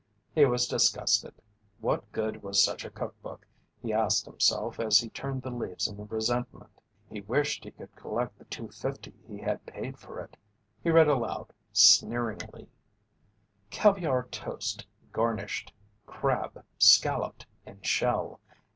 He was disgusted. What good was such a cook book, he asked himself as he turned the leaves in resentment. He wished he could collect the two fifty he had paid for it. He read aloud, sneeringly: "Caviar toast, garnished. Crab, scalloped, in shell.